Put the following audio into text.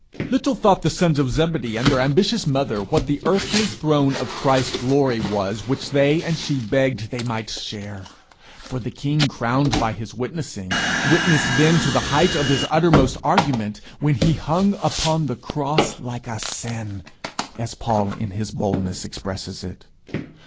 Little thought the sons of Zebedee and their ambitious mother what the earthly throne of Christ's glory was which they and she begged they might share. For the king crowned by his witnessing, witnessed then to the height of his uttermost argument, when he hung upon the cross like a sin, as Paul in his boldness expresses it.